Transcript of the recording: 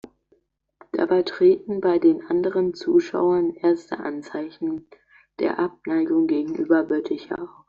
Dabei treten bei den anderen Zuschauern erste Anzeichen der Abneigung gegenüber Bötticher auf.